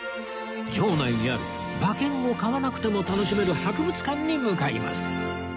場内にある馬券を買わなくても楽しめる博物館に向かいます